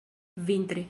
vintre